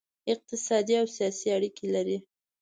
اقتصادي او سیاسي اړیکې لري